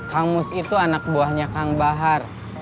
kamus itu anak buahnya kang bahar